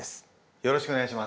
よろしくお願いします。